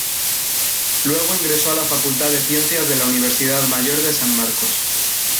Luego ingresó a la Facultad de Ciencias de la Universidad Mayor de San Marcos.